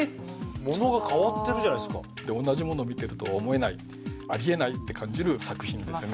ものが変わってるじゃないですか同じものを見てるとは思えないありえないって感じる作品ですね